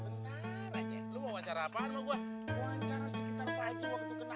kenapa bukan sama pernah berjuang sama nya